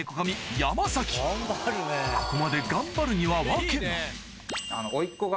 ヤマサキここまで頑張るには訳が